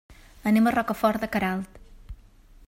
Anem a Rocafort de Queralt.